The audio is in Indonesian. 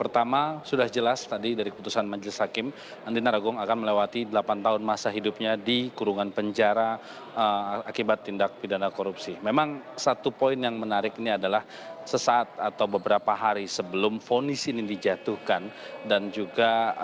terhadap andi narogong